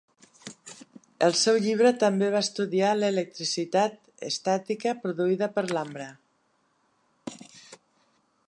Al seu llibre també va estudiar l'electricitat estàtica produïda per l'ambre.